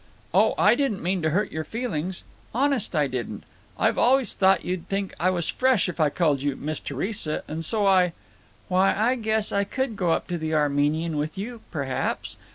"Oh, I didn't mean to hurt your feelings. Honest I didn't. I've always thought you'd think I was fresh if I called you 'Miss Theresa,' and so I—" "Why, I guess I could go up to the Armenian with you, perhaps.